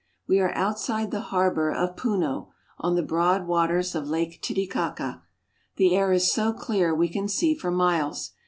We are outside the harbor of Puno (poo'no), on the broad waters of Lake Titicaca. The air is so clear we can see for miles.